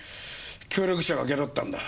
協力者がゲロったんだ。